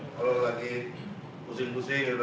pertanyaannya juga seperti itu